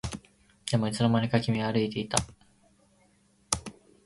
でもいつの間にか君は歩いていた